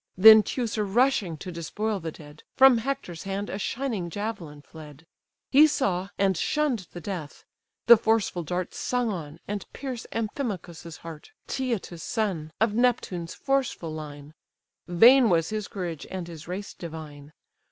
Then Teucer rushing to despoil the dead, From Hector's hand a shining javelin fled: He saw, and shunn'd the death; the forceful dart Sung on, and pierced Amphimachus's heart, Cteatus' son, of Neptune's forceful line; Vain was his courage, and his race divine!